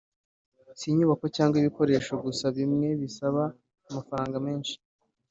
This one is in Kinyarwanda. si inyubako cyangwa ibikoresho gusa bimwe bisaba amafaranga menshi